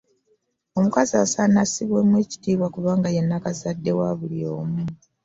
Omukazi asaana assibwemu ekitiibwa kubanga ye nakazadde wa buli omu.